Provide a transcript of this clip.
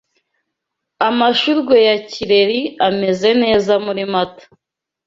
Amashurwe ya kireri ameze neza muri Mata